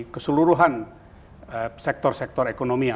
keseluruhan sektor sektor ekonomi yang